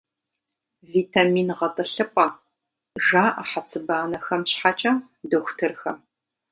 «Витамин гъэтӀылъыпӀэ» жаӀэ хьэцыбанэхэм щхьэкӀэ дохутырхэм.